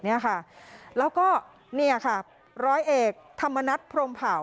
แบบคุณคะแล้วก็เนี่ยคับร้อยเอกธรรมนัติพรมเผา